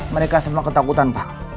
mereka semua ketakutan pak